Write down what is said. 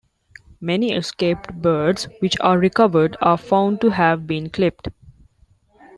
Many escaped birds which are recovered are found to have been clipped.